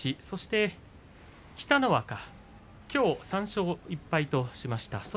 そして北の若、きょう３勝１敗としました。